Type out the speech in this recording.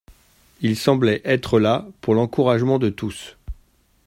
Il semblait être là pour l'encouragement de tous.